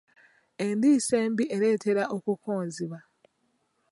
Endiisa embi ereetera okukonziba.